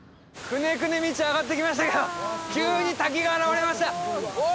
くねくね道上がってきましたけど急に滝が現れましたおお！